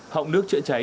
họng nước chữa cháy